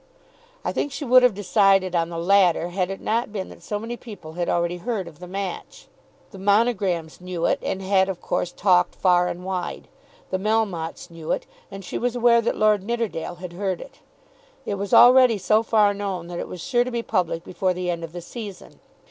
I think she would have decided on the latter had it not been that so many people had already heard of the match. The Monograms knew it, and had of course talked far and wide. The Melmottes knew it, and she was aware that Lord Nidderdale had heard it. It was already so far known that it was sure to be public before the end of the season.